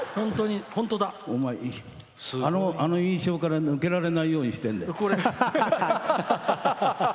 お前、あの印象から抜けられないようにしてんだよ。